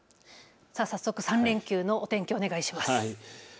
早速、３連休のお天気、お願いします。